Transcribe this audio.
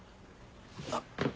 あっ。